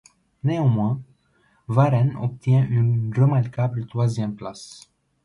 Néanmoins, Varenne obtient une remarquable troisième place.